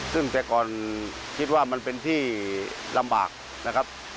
ซึ่งแต่ก่อนคิดว่ามันเป็นที่ลำบากนะครับ